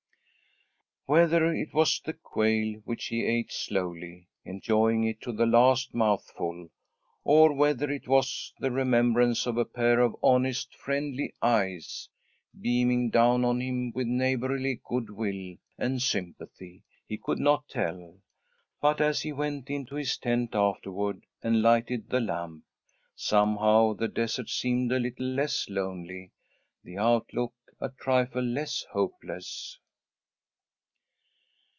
Whether it was the quail, which he ate slowly, enjoying it to the last mouthful, or whether it was the remembrance of a pair of honest, friendly eyes, beaming down on him with neighbourly good will and sympathy, he could not tell, but as he went into his tent afterward and lighted the lamp, somehow the desert seemed a little less lonely, the outlook a trifle less hopeless.